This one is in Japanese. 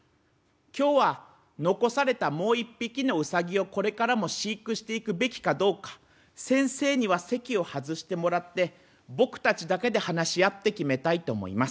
今日は残されたもう一匹のウサギをこれからも飼育していくべきかどうか先生には席を外してもらって僕たちだけで話し合って決めたいと思います。